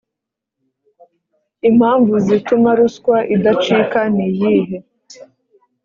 Impamvu zituma ruswa idacika niyihe